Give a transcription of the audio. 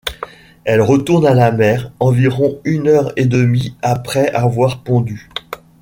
Elle retourne à la mer environ une heure et demie après avoir pondu.